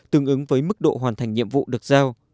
tương ứng với mức độ hoàn thành nhiệm vụ được giao